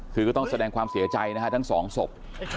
คือก็ต้องแสดงความเสียใจนะฮะทั้งสองศพ